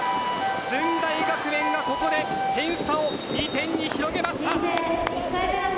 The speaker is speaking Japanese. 駿台学園がここで点差を２点に広げました。